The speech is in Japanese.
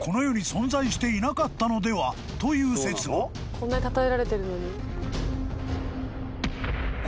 こんなにたたえられてるのに？